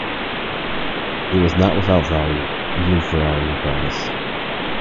It was not without value, even for our enterprise.